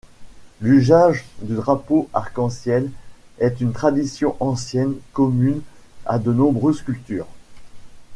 L'usage du drapeau arc-en-ciel est une tradition ancienne commune à de nombreuses cultures.